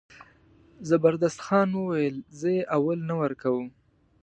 زبردست خان وویل زه یې اول نه ورکوم.